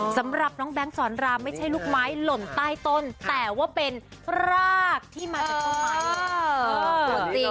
สำหรับน้องแบงค์สอนรามไม่ใช่ลูกไม้หล่นใต้ต้นแต่ว่าเป็นรากที่มาจากต้นไม้